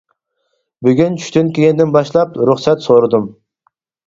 بۈگۈن چۈشتىن كېيىندىن باشلاپ رۇخسەت سورىدىم.